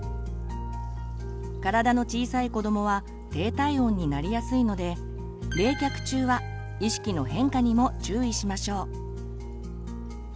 体の小さい子どもは低体温になりやすいので冷却中は意識の変化にも注意しましょう。